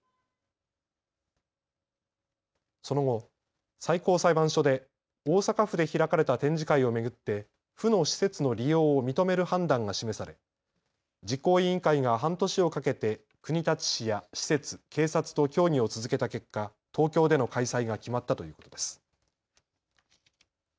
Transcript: その後、最高裁判所で大阪府で開かれた展示会を巡って府の施設の利用を認める判断が示され実行委員会が半年をかけて国立市や施設、警察と協議を続けた結果、東京での開催が決まったということです。